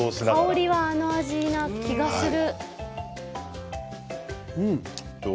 香りはあの味を想像する。